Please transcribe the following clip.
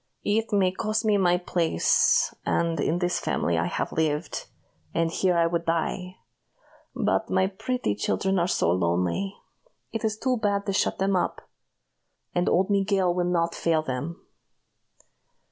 "It may cost me my place; and in this family I have lived, and here I would die; but my pretty children are so lonely, it is too bad to shut them up and old Miguel will not fail them."